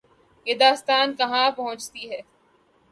یہ داستان کہاں پہنچتی ہے۔